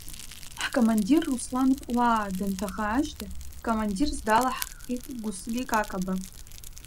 Ҳкомондир Руслан Кәлаа данҭаха ашьҭахь, командирс далаҳхит Гәслик Акаба.